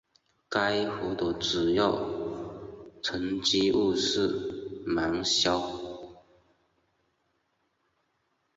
该湖的主要沉积物是芒硝。